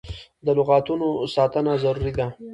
د لغتانو ساتنه ضروري ده.